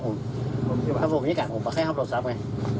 เข้าบอกอย่างนี้ก่อนผมบอกเคยถัดโทรตรับไง